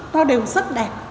nó đều rất đẹp